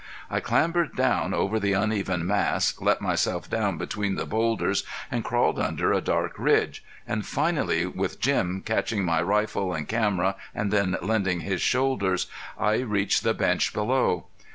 I clambered back over the uneven mass, let myself down between the boulders and crawled under a dark ridge, and finally with Jim catching my rifle and camera and then lending his shoulders, I reached the bench below.